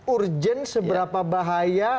urgen seberapa bahaya